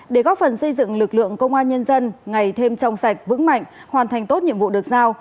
để góp phần xây dựng lực lượng công an nhân dân ngày thêm trong sạch vững mạnh hoàn thành tốt nhiệm vụ được giao